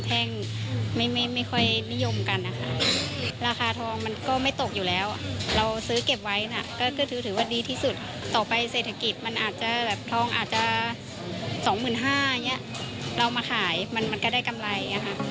หรือจะ๒๕๐๐๐บาทเรามาขายมันก็ได้กำไร